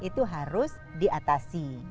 itu harus diatasi